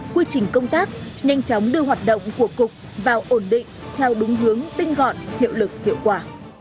quy trình công tác nhanh chóng đưa hoạt động của cục vào ổn định theo đúng hướng tinh gọn hiệu lực hiệu quả